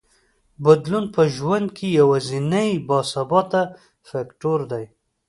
بدلون په ژوند کې یوازینی باثباته فکټور دی.